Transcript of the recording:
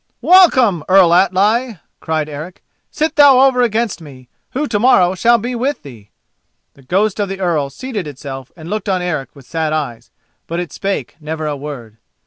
"Welcome, Earl Atli!" cried Eric. "Sit thou over against me, who to morrow shall be with thee." The ghost of the Earl seated itself and looked on Eric with sad eyes, but it spake never a word.